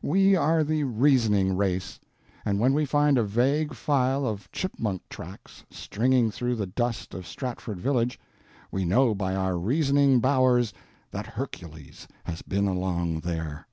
We are The Reasoning Race, and when we find a vague file of chipmunk tracks stringing through the dust of Stratford village, we know by our reasoning bowers that Hercules has been along there.